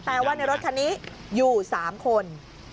ว่าในรถคันนี้อยู่๓คน